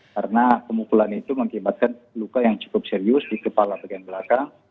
karena pemukulan itu mengibatkan luka yang cukup serius di kepala bagian belakang